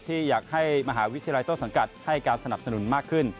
ที่อยากให้มหาวิทยาลัยต้นสังกัดให้การสนับสนุนมากขึ้น